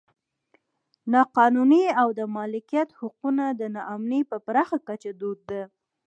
نا قانوني او د مالکیت حقونو نا امني په پراخه کچه دود ده.